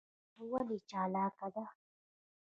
ګیدړه ولې چالاکه ده؟